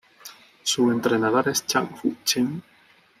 Su entrenador es Chan Fu Chen.